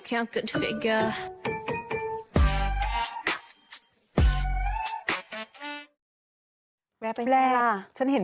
แบลล่าแบลล่าแบลล่าแบลล่า